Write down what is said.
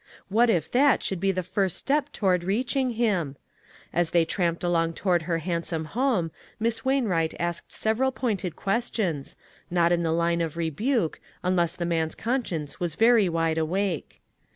What if that should be the first step toward reaching him? As they tramped along toward her handsome home, Miss Wainwright asked several pointed questions, not in the line of rebuke, unless 2l8 ONE COMMONPLACE DAY. the man's conscience was very wide awake.